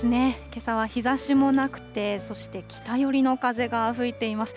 けさは日ざしもなくて、そして北寄りの風が吹いています。